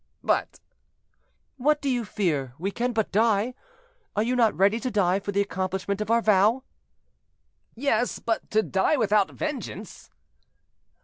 "But—" "What do you fear, we can but die? Are you not ready to die for the accomplishment of our vow?" "Yes, but not to die without vengeance."